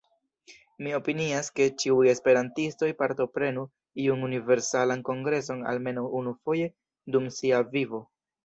Mi opinias ke ĉiuj esperantistoj partoprenu iun Universalan Kongreson almenaŭ unufoje dum sia vivo.